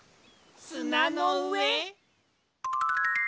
すなのうえ？